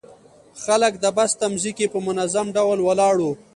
خلک د بس تمځي کې په منظم ډول ولاړ وو.